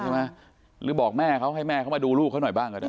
หรือบอกแม่เขาให้แม่เขามาดูลูกเขาหน่อยบ้างก็ได้